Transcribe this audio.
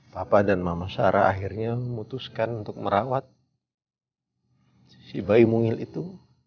bapak dan mama sarah akhirnya memutuskan untuk merawat si bayi mungil itu